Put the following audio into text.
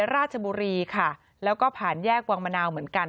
ราชบุรีค่ะแล้วก็ผ่านแยกวังมะนาวเหมือนกัน